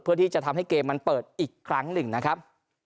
เพื่อที่จะทำให้เกมมันเปิดอีกครั้งหนึ่งนะครับ